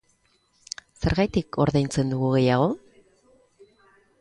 Zergatik ordaintzen dugu gehiago?